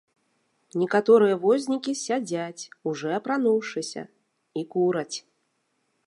Некаторыя вознікі сядзяць, ужо апрануўшыся, і кураць.